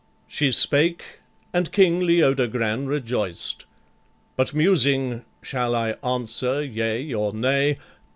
She spake and King Leodogran rejoiced, But musing "Shall I answer yea or nay?"